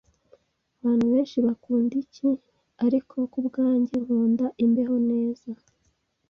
Abantu benshi bakunda icyi, ariko kubwanjye, nkunda imbeho neza.